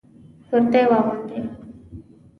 کرتي اغوندئ